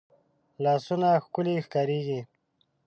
لاسونه ښکلې ښکارېږي